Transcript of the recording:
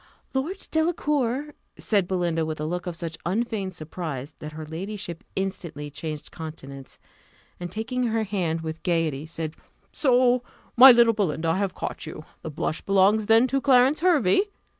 "Lord Delacour!" said Belinda, with a look of such unfeigned surprise, that her ladyship instantly changed countenance, and, taking her hand with gaiety, said, "So, my little Belinda, I have caught you the blush belongs then to Clarence Hervey?